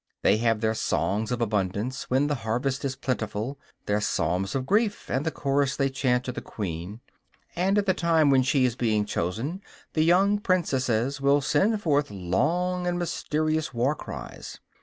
They have their songs of abundance, when the harvest is plentiful, their psalms of grief and the chorus they chant to the queen; and at the time when she is being chosen the young princesses will send forth long and mysterious warcries....